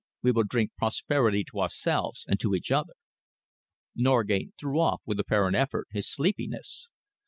We will drink prosperity to ourselves and to each other." Norgate threw off, with apparent effort, his sleepiness.